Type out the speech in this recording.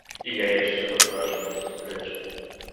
І я яшчэ пад уражаннем сустрэчы.